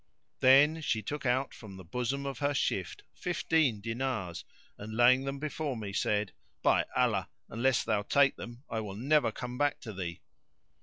Then she took out from the bosom of her shift[FN#587] fifteen dinars and, laying them before me, said, "By Allah! unless thou take them I will never come back to thee."